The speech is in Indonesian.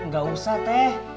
gak usah teh